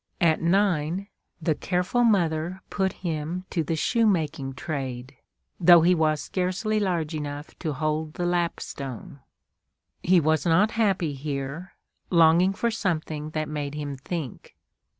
At nine, the careful mother put him to the shoemaking trade, though he was scarcely large enough to hold the lap stone. He was not happy here, longing for something that made him think.